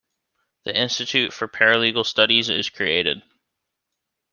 The Institute for Paralegal Studies is created.